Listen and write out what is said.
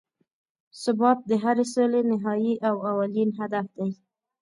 ثبات د هرې سولې نهایي او اولین هدف دی.